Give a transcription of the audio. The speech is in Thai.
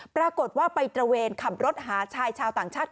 ปรากฏว่าไปตระเวนขับรถหาชายชาวต่างชาติ